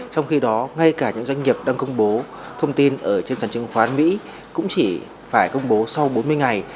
trong khi đó ngay cả những doanh nghiệp đang công bố thông tin ở trên sản chứng khoán mỹ cũng chỉ phải công bố sau bốn mươi ngày